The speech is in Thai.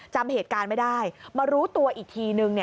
จำเหตุการณ์ไม่ได้มารู้ตัวอีกทีนึง